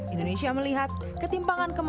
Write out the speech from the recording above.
indonesia melihat ketimpangan kemarin